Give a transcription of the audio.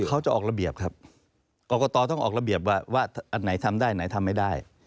เขาจะออกระเบียบครับกรกตต้องออกระเบียบว่าว่าอันไหนทำได้ไหนทำไม่ได้